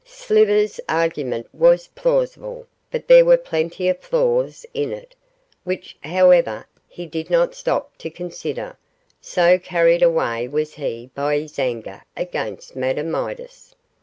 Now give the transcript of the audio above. Slivers' argument was plausible, but there were plenty of flaws in it, which, however, he did not stop to consider, so carried away was he by his anger against Madame Midas.